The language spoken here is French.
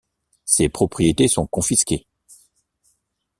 Ses propriétés sont confisquées.